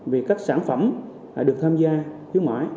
về các sản phẩm được tham gia khuyến mãi